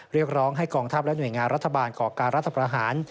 เรียกร้องให้กองทัพและหน่วยงานรัฐบาลก่อการรัฐประหาร